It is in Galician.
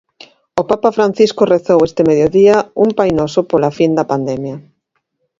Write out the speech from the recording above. O Papa Francisco rezou este mediodía un Pai Noso pola fin da pandemia.